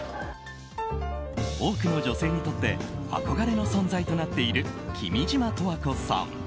多くの女性にとって憧れの存在となっている君島十和子さん。